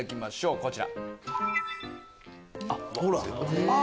こちら。